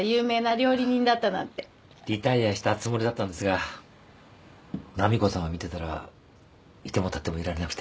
リタイアしたつもりだったんですが波子さんを見てたらいてもたってもいられなくて。